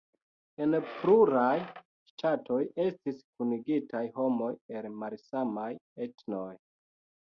En pluraj ŝtatoj estis kunigitaj homoj el malsamaj etnoj.